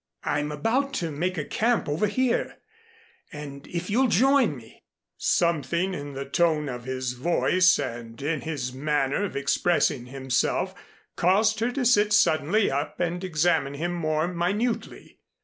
"I'm about to make a camp over here, and if you'll join me " Something in the tones of his voice and in his manner of expressing himself, caused her to sit suddenly up and examine him more minutely.